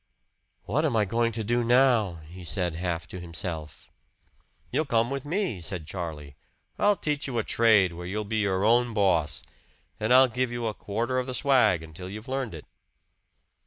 "What am I going to do now?" he said half to himself. "You come with me," said Charlie. "I'll teach you a trade where you'll be your own boss. And I'll give you a quarter of the swag until you've learned it."